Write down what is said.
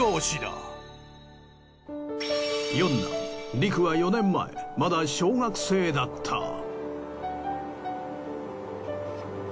四男陸は４年前まだ小学生だった。